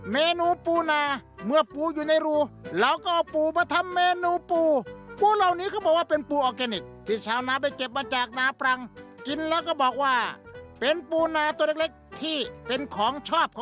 เมนูเด็ดยามเช้านะครับสีสันข่าวเช้าไทยร้านนะครับ